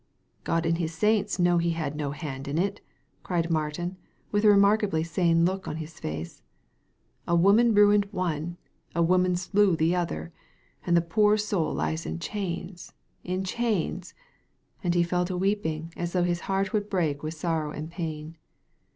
" God and His saints know that he had no hand in it I " cried Martin, with a remarkably sane look on his face. A woman ruined one, a woman slew the other ; and the poor soul lies in chains — in chains." And he fell to weeping, as though his heart would break with sorrow and pain.